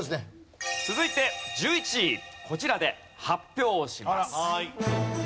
続いて１１位こちらで発表します。